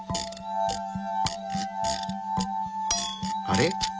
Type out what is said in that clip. あれ？